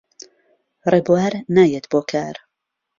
ڕێبوار نایەت بۆ کار.